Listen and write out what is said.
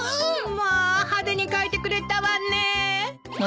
まあ派手に書いてくれたわねえ。